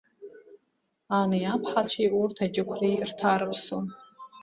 Ани аԥҳацәеи урҭ аџьықәреи рҭарыԥсон.